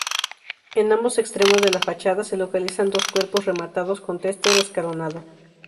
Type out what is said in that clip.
En ambos extremos de la fachada se localizan dos cuerpos rematados con testero escalonado.